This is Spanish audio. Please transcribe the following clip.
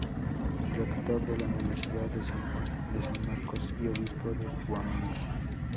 Rector de la Universidad de San Marcos y obispo de Huamanga.